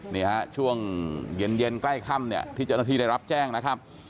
นี่ฮะช่วงเย็นใกล้ค่ำเนี่ยที่เจ้าหน้าที่ได้รับแจ้งนะครับ